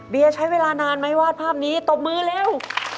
ใช้เวลานานไหมวาดภาพนี้ตบมือเร็ว